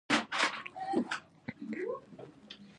د کندهار په پنجوايي کې د سمنټو مواد شته.